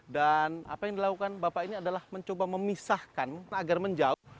dan apa yang dilakukan bapak ini adalah mencoba memisahkan agar menjauh